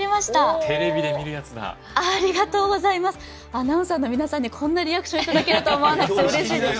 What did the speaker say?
アナウンサーの皆さんにこんなリアクションを頂けるとは思わなくてうれしいです。